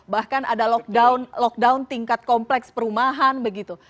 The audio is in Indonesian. bahkan ada lockdown tingkat kompleks perumahan begitu